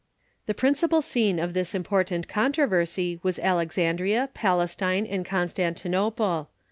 ] V The principal scene of this important controversy was Alex andria, Palestine, and Constantinople.